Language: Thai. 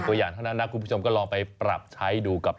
ใช้ตัวเลขนี้ไปปรับใช้ดูได้